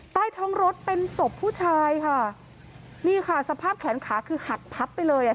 ใต้ท้องรถเป็นศพผู้ชายค่ะนี่ค่ะสภาพแขนขาคือหักพับไปเลยอ่ะ